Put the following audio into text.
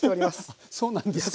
あそうなんですか。